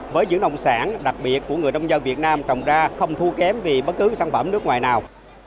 với những nông sản đặc biệt của người nông dân việt nam trồng ra không thua kém vì bất cứ sản phẩm nước ngoài nào